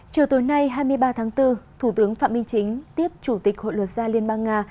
chiều tối nay hai mươi ba tháng bốn thủ tướng phạm minh chính tiếp chủ tịch hội luật gia liên bang nga